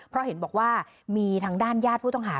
เพราะเห็นบอกว่ามีทางด้านญาติผู้ต้องหา